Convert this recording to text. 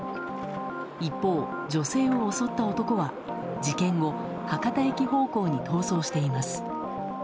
一方、女性を襲った男は、事件後博多駅方向に逃走しています。